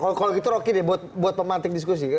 kalau begitu rocky buat memantik diskusi